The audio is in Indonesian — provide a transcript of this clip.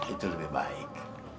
itu lebih baik